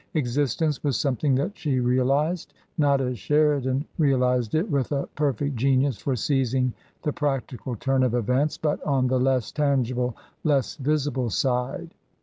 Existence was something that she realized — not as Sheridan realized it, with a per fect genius for seizing the practical turn of events, but on the less tangible, less visible side.